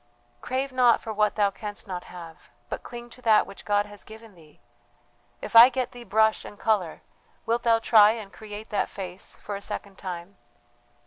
"Crave not for what thou canst not have, but cling to that which God has given thee. If I get thee brush and colour wilt thou try and create that face for a second time?